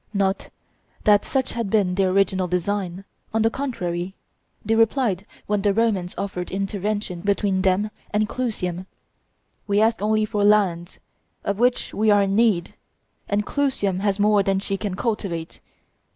Not that such had been their original design; on the contrary, they replied, when the Romans offered intervention between them and Clusium, "We ask only for lands, of which we are in need; and Clusium has more than she can cultivate.